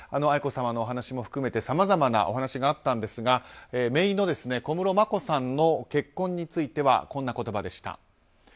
愛子さまのお話も含めてさまざまなお話があったんですがめいの小室眞子さんの結婚についてはこんな言葉でした。